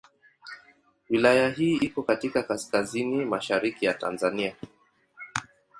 Wilaya hii iko katika kaskazini mashariki ya Tanzania.